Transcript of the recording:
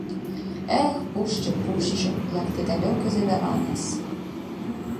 Эх, пушча, пушча, як ты далёка завяла нас.